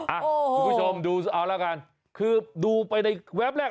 คุณผู้ชมดูเอาละกันคือดูไปในแวบแรก